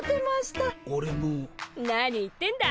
何言ってんだ。